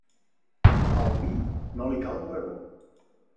Al vi no li cal pregó.